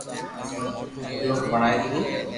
مخلوق بڻائي ٿي